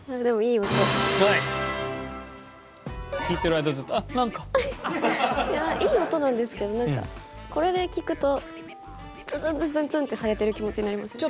いやいい音なんですけどなんかこれで聴くとツンツンツンツンツンってされてる気持ちになりません？